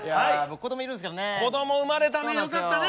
子供産まれたねよかったね！